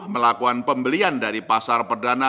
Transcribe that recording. melakukan pembelian dari pasar perdana